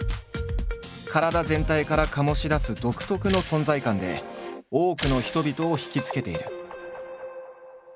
体全体から醸し出す独特の存在感で多くの人々を惹きつけている。